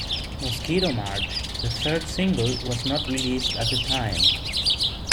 "Mosquito March," the third single, was not released at the time.